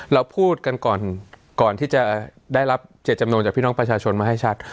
เราพูดกันก่อนก่อนที่จะได้รับเจตจำนวนจากพี่น้องประชาชนมาให้ชัด